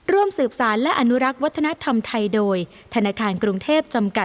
ร่วมสืบสารและอนุรักษ์วัฒนธรรมไทยโดยธนาคารกรุงเทพจำกัด